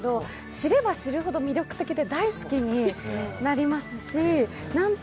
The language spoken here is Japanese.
知れば知るほど魅力的で大好きになりますし、なんて